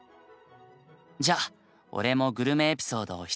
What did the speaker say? じゃ俺もグルメエピソードをひとつ。